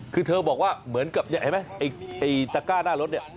คือเธอบอกว่าเหมือนกับเห็นไหมไอ้ตะก้าหน้ารถเนี่ย